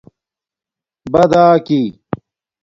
باداکی